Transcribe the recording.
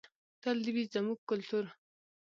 تل دې وي زموږ کلتور.